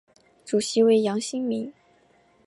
主席为杨新民。